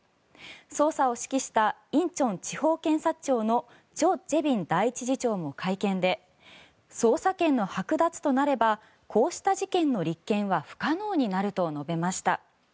捜査を指揮した仁川地方検察庁のチョ・ジェビン第１次長も会見で捜査権のはく奪となればこうした事件の立件は不可能になると述べました。